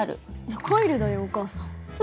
コイルだよお母さん。